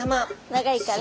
長いから。